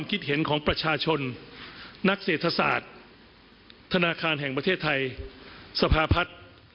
ต้องไม่เกิน๕แสนบาท